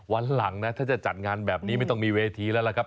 วันหลังนะถ้าจะจัดงานแบบนี้ไม่ต้องมีเวทีแล้วล่ะครับ